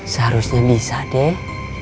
seharusnya bisa deh